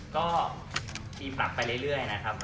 ก็มีปรับไปเรื่อยนะครับ